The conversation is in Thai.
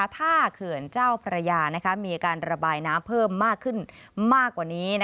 ถ้าเขื่อนเจ้าพระยามีการระบายน้ำเพิ่มมากขึ้นมากกว่านี้